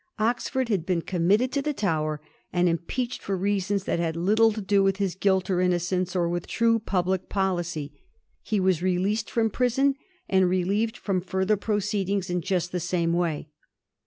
Oxford had been committed to the Tower and impeached for reasons that had little to do with his guilt or inno cence, or with true public policy ; he was released from prison and relieved from ftirther proceedings in just the same way.